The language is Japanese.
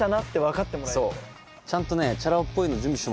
ちゃんとね。